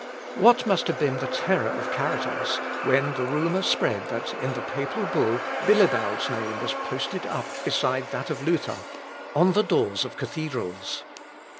What must have been the terror of Charitas when the rumour spread that in the papal bull Bilibald's name was posted up beside that of Luther, on the doors of cathedrals?